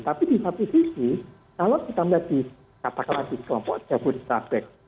tapi di satu sisi kalau kita melihat di kata kata lagi kelompok javud sabek